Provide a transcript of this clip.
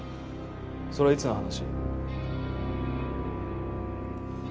それはいつの話？